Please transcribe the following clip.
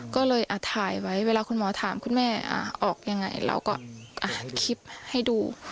ก็เลยถ่ายไว้เวลาคุณหมอถามคุณแม่ออกยังไงเราก็อัดคลิปให้ดู